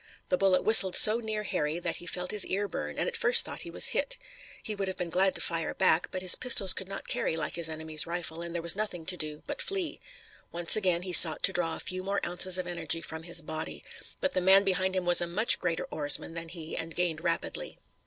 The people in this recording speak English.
The bullet whistled so near Harry that he felt his ear burn, and at first thought he was hit. He would have been glad to fire back, but his pistols could not carry like his enemy's rifle, and there was nothing to do but flee. Once again he sought to draw a few more ounces of energy from his body. But the man behind him was a much greater oarsman than he and gained rapidly.